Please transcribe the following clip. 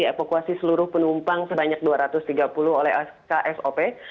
dievakuasi seluruh penumpang sebanyak dua ratus tiga puluh oleh ksop